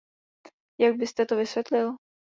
Jak byste to vysvětlil?